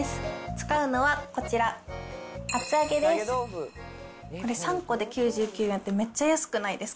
使うのはこちら、厚揚げです。